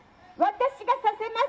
私がさせます。